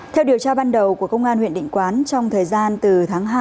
theo điều tra ban đầu của công an huyện định quán trong thời gian từ tháng hai